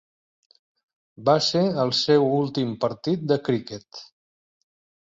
Va ser el seu últim partit de criquet.